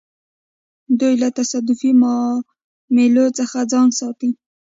دوی له تصادفي معاملو څخه ځان ساتي.